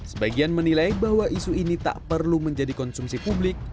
sebagian menilai bahwa isu ini tak perlu menjadi konsumsi publik